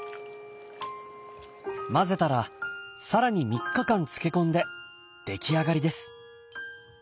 混ぜたら更に３日間漬け込んで出来上がりです。